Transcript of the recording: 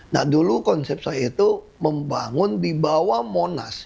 nah dulu konsep saya itu membangun di bawah monas